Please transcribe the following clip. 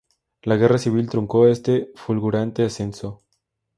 La Guerra Civil truncó este fulgurante ascenso.